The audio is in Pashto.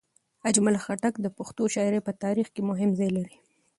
اجمل خټک د پښتو شاعرۍ په تاریخ کې مهم ځای لري.